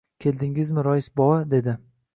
— Keldingizmi, rais bova? — dedi.